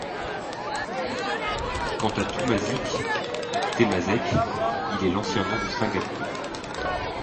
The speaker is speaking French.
Quant à Tumasik ou Temasek, il est l'ancien nom de Singapour.